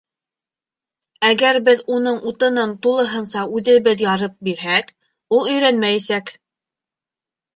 Әгәр беҙ уның утынын тулыһынса үҙебеҙ ярып бирһәк, ул өйрәнмәйәсәк.